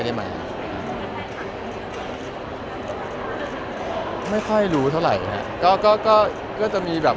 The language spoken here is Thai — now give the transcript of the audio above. เข้าไปข้างที่สุด